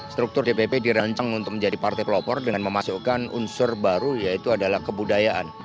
struktur dpp dirancang untuk menjadi partai pelopor dengan memasukkan unsur baru yaitu adalah kebudayaan